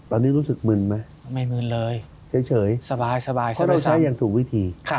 ตอนนี้รู้สึกมึนไหมไม่มึนเลยเฉยสบายก็เลยใช้อย่างถูกวิธี